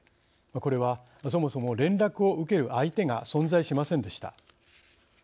これはそもそも連絡を受ける相手が存在しませんでした。